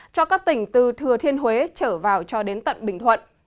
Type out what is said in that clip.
cho các tỉnh từ thừa thiên huế trở vào cho đến tận bình thuận